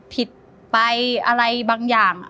ผิดไปอะไรบางอย่าง